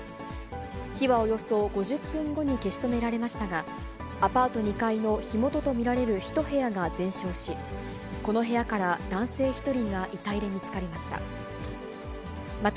火はおよそ５０分後に消し止められましたが、アパート２階の火元と見られる１部屋が全焼し、この部屋から男性１人が遺体で見つかりました。